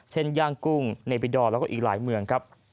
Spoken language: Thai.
เช่นย่างกุ้งเนปิดอลและอีกหลายเมืองครับ